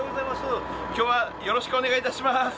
今日はよろしくお願いいたします。